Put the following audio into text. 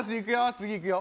次いくよ。